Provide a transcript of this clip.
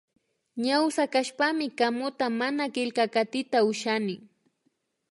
Ñawsa kashpami kamuta mana killkakatita ushakuni